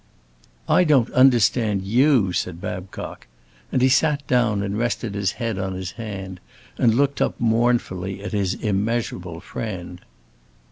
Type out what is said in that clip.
"I don't understand you," said Babcock. And he sat down and rested his head on his hand, and looked up mournfully at his immeasurable friend.